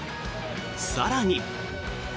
更に。